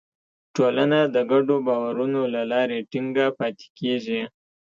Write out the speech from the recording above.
ټولنه د ګډو باورونو له لارې ټینګه پاتې کېږي.